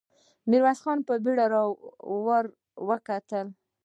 ميرويس خان په بېړه ور وکتل.